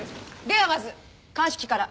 ではまず鑑識から。